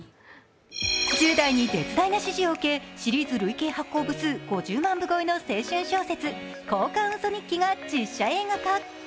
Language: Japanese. １０代に絶大な支持を受け、シリーズ発行部数５０万部超えの青春小説「交換ウソ日記」が実写映画化。